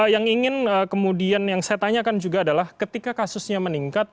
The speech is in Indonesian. yang ingin kemudian yang saya tanyakan juga adalah ketika kasusnya meningkat